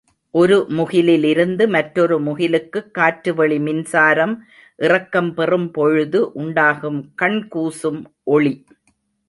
ஒரு முகிலிலிருந்து மற்றொரு முகிலுக்குக் காற்றுவெளி மின்சாரம் இறக்கம் பெறும்பொழுது உண்டாகும் கண்கூசும் ஒளி.